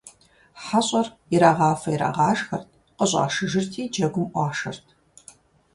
ХьэщӀэр ирагъафэ-ирагъашхэрт, къыщӀашыжырти джэгум Ӏуашэрт.